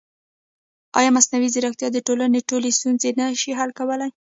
ایا مصنوعي ځیرکتیا د ټولنې ټولې ستونزې نه شي حل کولی؟